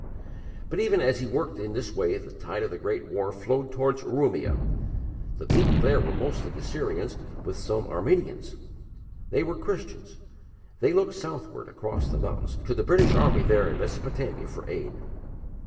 But even as he worked in this way the tide of the great war flowed towards Urumia. The people there were mostly Assyrians with some Armenians; they were Christians. They looked southward across the mountains to the British Army there in Mesopotamia for aid.